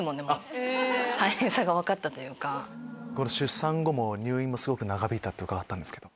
出産後も入院もすごく長引いたって伺ったんですけど。